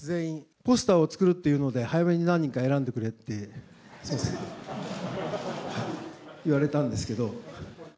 ポスターを作るっていうので、早めに何人か選んでくれって言われたんですけど。